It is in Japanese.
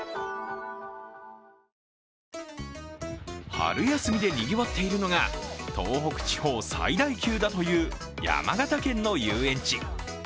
春休みでにぎわっているのが東北地方最大級だという山形県の遊園地。